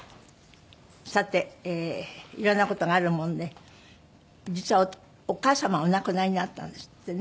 さて色んな事があるもんで実はお母様がお亡くなりになったんですってね。